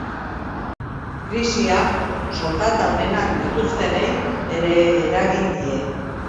Krisiak soldata onenak dituztenei ere eragin die.